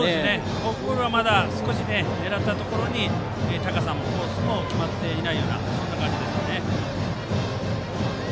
フォークボールはまだ狙ったところに高さもコースも決まっていない感じですね。